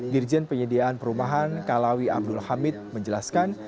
dirjen penyediaan perumahan kalawi abdul hamid menjelaskan